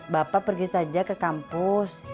bapak pergi saja ke kampus